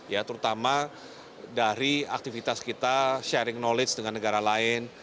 ya terutama dari aktivitas kita sharing knowledge dengan negara lain